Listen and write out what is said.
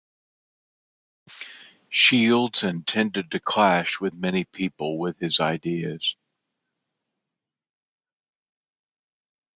Shields and tended to clash with many people with his ideas.